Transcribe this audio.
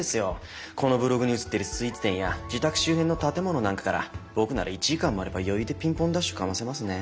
このブログに写ってるスイーツ店や自宅周辺の建物なんかから僕なら１時間もあれば余裕でピンポンダッシュかませますね。